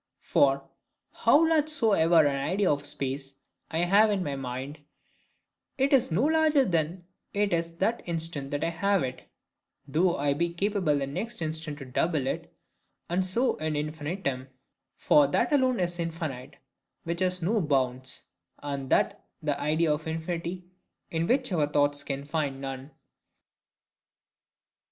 For, how large soever an idea of space I have in my mind, it is no larger than it is that instant that I have it, though I be capable the next instant to double it, and so on in infinitum; for that alone is infinite which has no bounds; and that the idea of infinity, in which our thoughts can find none.